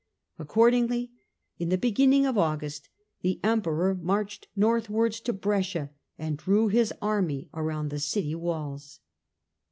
Accordingly in the beginning of August the Emperor marched northwards to Brescia and drew his army around the city walls.